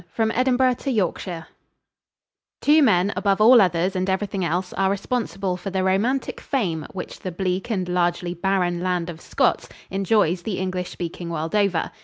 XI FROM EDINBURGH TO YORKSHIRE Two men above all others and everything else are responsible for the romantic fame which the bleak and largely barren Land of Scots enjoys the English speaking world over.